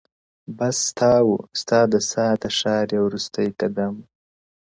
بس ستا و؛ ستا د ساه د ښاريې وروستی قدم و؛